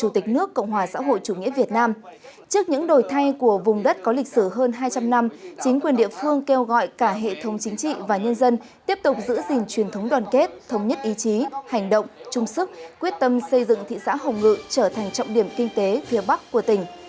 trước những đổi thay của vùng đất có lịch sử hơn hai trăm linh năm chính quyền địa phương kêu gọi cả hệ thống chính trị và nhân dân tiếp tục giữ gìn truyền thống đoàn kết thống nhất ý chí hành động trung sức quyết tâm xây dựng thị xã hồng ngự trở thành trọng điểm kinh tế phía bắc của tỉnh